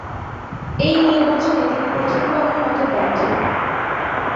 এই নির্বাচনে তিনি প্রথমবারের মত ব্যর্থ হন।